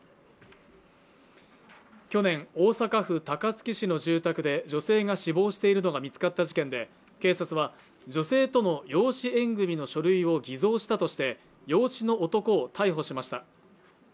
去年、大阪府高槻市の住宅で女性が死亡しているのが見つかった事件で警察は女性との養子縁組の書類を偽造したとして養子の男を逮捕しました。